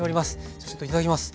じゃあちょっといただきます。